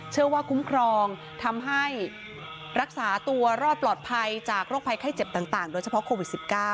เชื่อว่าคุ้มครองทำให้รักษาตัวรอดปลอดภัยจากโรคภัยไข้เจ็บต่างโดยเฉพาะโควิด๑๙